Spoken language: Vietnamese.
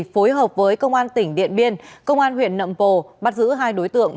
phối hợp với công an tỉnh điện biên công an huyện nậm bồ bắt giữ hai đối tượng